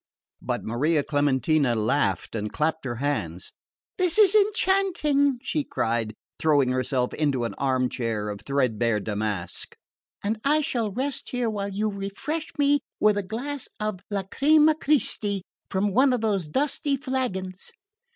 But Maria Clementina laughed and clapped her hands. "This is enchanting," she cried, throwing herself into an arm chair of threadbare damask, "and I shall rest here while you refresh me with a glass of Lacrima Christi from one of those dusty flagons.